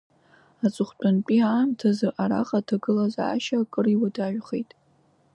Аҵыхәтәантәи аамҭазы араҟа аҭагылазаашьа акыр иуадаҩхеит.